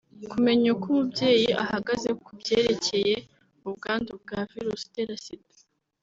Kumenya uko umubyeyi ahagaze kubyerekeye ubwandu bwa virusi itera Sida